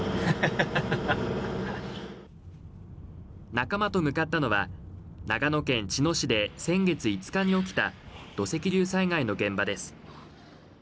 仲間と向かったのは長野県茅野市で先月５日に起きた土石流災害の現場です。